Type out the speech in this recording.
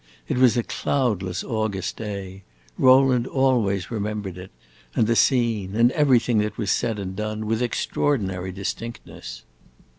It was a cloudless August day; Rowland always remembered it, and the scene, and everything that was said and done, with extraordinary distinctness.